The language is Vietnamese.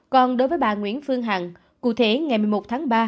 còn đối với bà nguyễn phương hằng cụ thể ngày một mươi một tháng ba